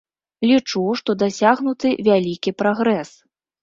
Лічу, што дасягнуты вялікі прагрэс.